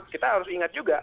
kita harus ingat juga